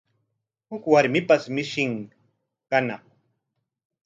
Huk warmipash mishin kañaq.